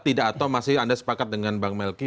tidak atau masih anda sepakat dengan bang melki